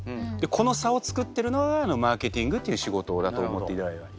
この差を作ってるのがマーケティングという仕事だと思っていただければいい。